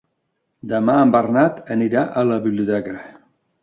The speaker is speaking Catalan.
Demà en Bernat anirà a la biblioteca.